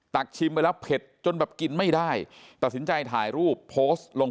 ชิมไปแล้วเผ็ดจนแบบกินไม่ได้ตัดสินใจถ่ายรูปโพสต์ลง